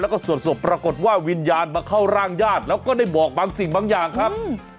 แล้วก็สวดศพปรากฏว่าวิญญาณมาเข้าร่างญาติแล้วก็ได้บอกบางสิ่งบางอย่างครับ